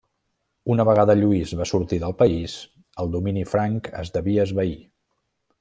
Una vegada Lluís va sortir del país, el domini franc es devia esvair.